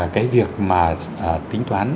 cái việc mà tính toán